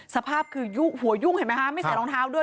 สภาพคือหัวยุ่งเห็นไหมคะไม่ใส่รองเท้าด้วย